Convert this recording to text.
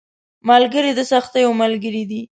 ملګری د سختیو ملګری دی